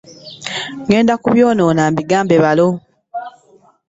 Ngenda kubyonoona mbigambe balo.